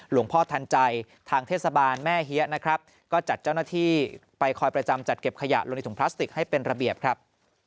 หลวงพ่อทันใจทางเทศบาลแม่เฮียนะครับก็จัดเจ้าหน้าที่ไปคอยประจำจัดเก็บขยะลงในถุงพลาสติกให้เป็นระเบียบครับ